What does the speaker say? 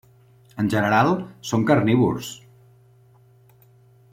En general, són carnívors.